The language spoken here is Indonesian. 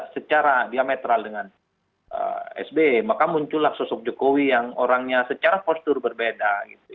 secara diametral dengan sbe maka muncullah sosok jokowi yang orangnya secara postur berbeda